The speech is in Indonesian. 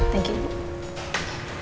thank you ibu